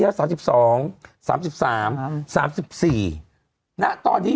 ตอนนี้